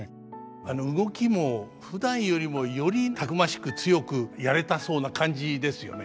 あの動きもふだんよりもよりたくましく強くやれたそうな感じですよね。